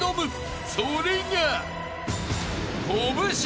［それが］